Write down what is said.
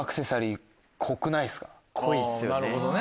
濃いっすよね。